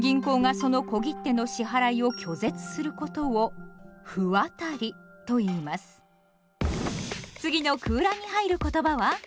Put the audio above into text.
次の空欄に入る言葉は？